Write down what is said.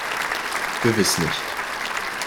Gewiss nicht?